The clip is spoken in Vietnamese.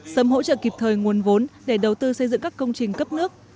sớm hỗ trợ kịp thời nguồn vốn để đầu tư xây dựng các công trình cấp nước